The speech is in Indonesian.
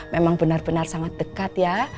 memang benar benar sangat dekat ya